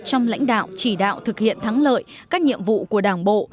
trong lãnh đạo chỉ đạo thực hiện thắng lợi các nhiệm vụ của đảng bộ